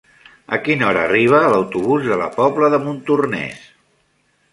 A quina hora arriba l'autobús de la Pobla de Montornès?